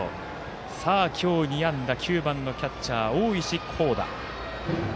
今日、２安打９番のキャッチャー、大石広那。